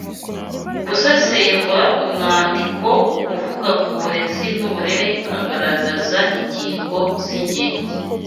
Gusesengura umwandiko uvuga ku burezi n’uburere agaragaza ingingo z’ingenzi